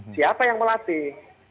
siapa yang melatih